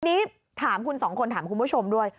ทีนี้ถามคุณสองคนถามคุณผู้ชมด้วย